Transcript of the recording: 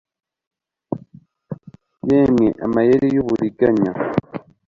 yemwe amayeri yuburiganya